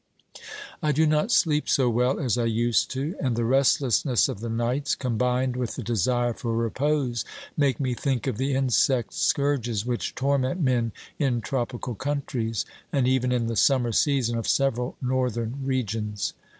I do not sleep so well as I used to, and the restlessness of the nights, combined with the desire for repose, make me think of the insect scourges which torment men in tropical countries, and even in the summer season of several northern regions.